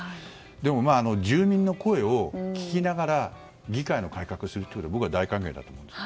でも、住民の声を聞きながら議会の改革をするのは僕は大歓迎だと思います。